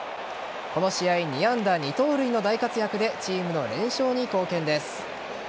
この試合２安打２盗塁の大活躍でチームの連勝に貢献です。